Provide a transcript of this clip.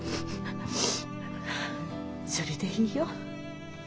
それでいいよ。